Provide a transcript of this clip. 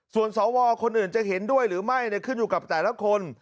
ส่วนสวคนอื่นจะเห็นด้วยหรือไม่ขึ้นอยู่กับแต่ละคน